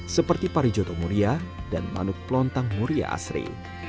seperti parijoto muria dan manuk pelontang muria asri